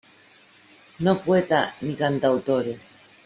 no poeta ni cantautores.